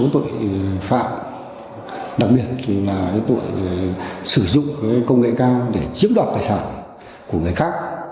tội phạm tội sử dụng công nghệ cao để chiếm đoạt tài sản của người khác